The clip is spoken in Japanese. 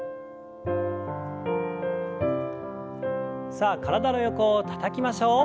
さあ体の横をたたきましょう。